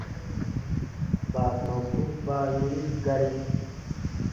Baatɔmbun baa yorin gari.